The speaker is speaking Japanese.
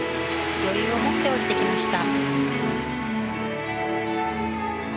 余裕を持って下りてきました。